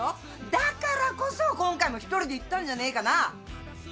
だからこそ今回も一人で行ったんじゃねえかな！